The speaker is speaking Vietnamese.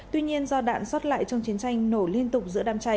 tuy nhiên do đạn xót lại trong chiến tranh nổ liên tục giữa đám cháy